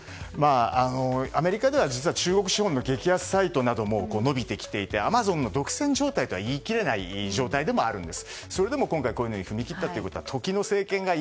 アメリカでは実は中国資本の激安サイトなども伸びてきていてアマゾンの独占状態とは言い切れない状態でもあるんです。